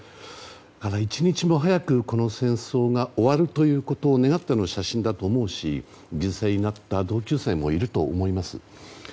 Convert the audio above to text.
一日も早く、この戦争が終わるということを願っての写真だと思うし犠牲になった同級生もいると思います。